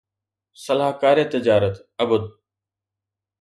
صلاحڪار تجارت عبد